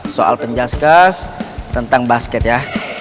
soal penjaskas tentang basket ya